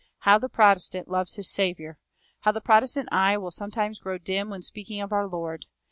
How the Protestant loves his Saviour! How the Protestant eye will sometimes grow dim when speaking of our Lord!